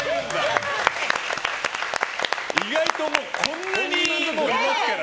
意外とこんなにいますから。